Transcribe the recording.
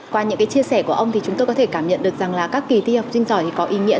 qua những cái chia sẻ của ông thì chúng tôi có thể cảm nhận được rằng là các kỳ thi học sinh giỏi thì có ý nghĩa